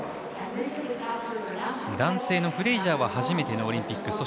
男性のフレイジャーは初めてのオリンピック。